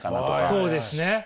そうですね！